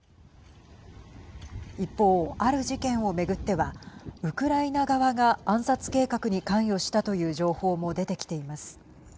一方、ある事件を巡ってはウクライナ側が暗殺計画に関与したという情報も出てきています。